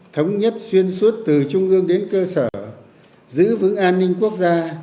thống nhất xuyên suốt từ trung ương đến cơ sở giữ vững an ninh quốc gia